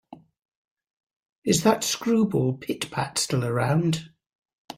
Is that screwball Pit-Pat still around?